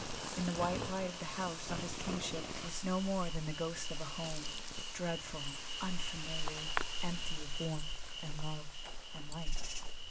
In the white light the house of his kingship was no more than the ghost of a home, dreadful, unfamiliar, empty of warmth and love and light.